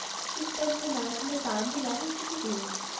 We spent the night in a barn belonging to the inn.